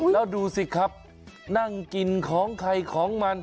แล้วดูสิครับนั่งกินของใครของมัน